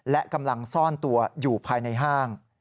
และกำลังซ่อนตัวอยู่ภายในห้าง